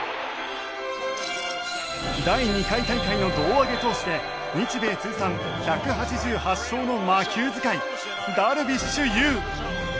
第２回大会の胴上げ投手で日米通算１８８勝の魔球使いダルビッシュ有。